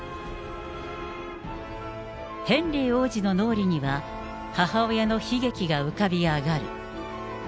ヘンリー王子の脳裏には、母親の悲劇が浮かび上がる。